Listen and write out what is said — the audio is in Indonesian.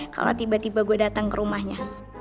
kalo tiba tiba gue dateng ke rumahnya